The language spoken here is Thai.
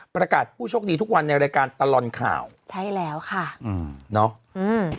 ประกาศผู้โชคดีทุกวันในรายการตลอดข่าวใช่แล้วค่ะอืมเนอะอืม